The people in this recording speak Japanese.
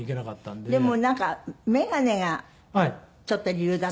でもなんか眼鏡がちょっと理由だった。